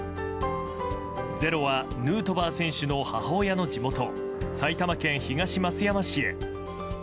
「ｚｅｒｏ」はヌートバー選手の母親の地元埼玉県東松山市へ。